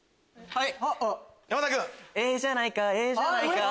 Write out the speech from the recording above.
はい！